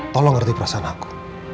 tolong ngerti perasaan aku